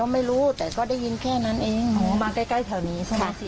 มาใกล้แถวนี้